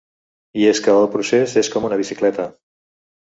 I és que el procés és com una bicicleta.